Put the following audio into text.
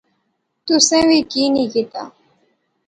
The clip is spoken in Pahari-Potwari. تسیں وی کی نی کیتیا